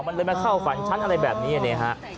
มันเลยมาเข้าฝันฉันอะไรแบบนี้เนี่ยฮะ